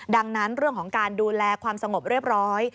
ดังนั้นเรื่องของการดูแลความสงบเรียบร้อย